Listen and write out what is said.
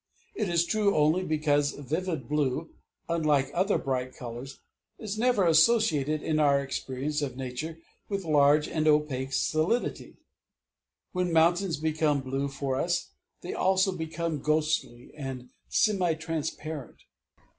It is true only because vivid blue, unlike other bright colors, is never associated in our experience of nature with large and opaque solidity. When mountains become blue for us, they also become ghostly and semi transparent.